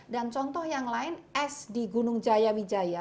dan contoh yang lain es di gunung jaya wijaya